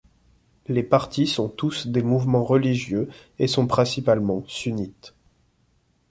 Les partis sont tous des mouvements religieux et sont principalement sunnites.